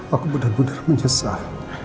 aku benar benar menyesal